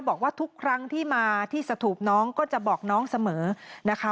บอกว่าทุกครั้งที่มาที่สถูปน้องก็จะบอกน้องเสมอนะคะ